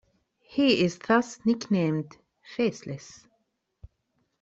He is thus nicknamed "Faceless".